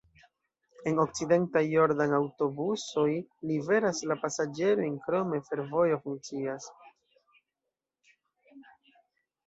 En Okcidenta Jordan aŭtobusoj liveras la pasaĝerojn, krome fervojo funkcias.